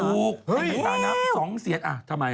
ถูกเป็นตาน้ำ๒เสียงอ่ะทำไมอ่ะ